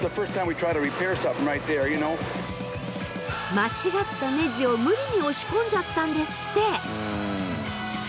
間違ったネジを無理に押し込んじゃったんですって。